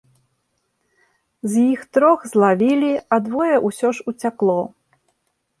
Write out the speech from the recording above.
З іх трох злавілі, а двое ўсё ж уцякло.